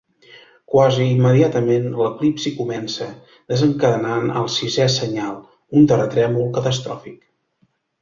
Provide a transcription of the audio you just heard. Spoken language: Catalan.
Quasi immediatament, l'eclipsi comença, desencadenant el sisè senyal, un terratrèmol catastròfic.